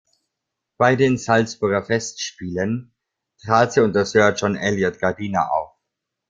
Bei den Salzburger Festspielen trat sie unter Sir John Eliot Gardiner auf.